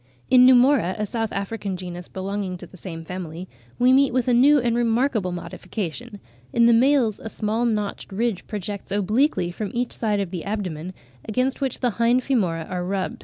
In Pneumora (Fig. 15), a S. African genus belonging to the same family, we meet with a new and remarkable modification; in the males a small notched ridge projects obliquely from each side of the abdomen, against which the hind femora are rubbed.